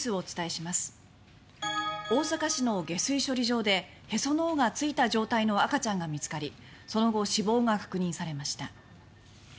大阪市の下水処理場でへその緒が付いた状態の赤ちゃんが見つかりその後死亡が確認されました。